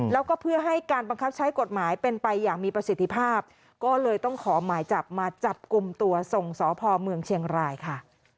แล้วก็เพื่อให้การบังคับใช้กฎหมายเป็นไปอย่างมีประสิทธิภาพก็เลยต้องขอหมายจับมาจับกลุ่มตัวส่งสพเมืองเชียงรายค่ะ